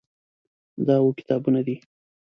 دا اووه کتابونه دي.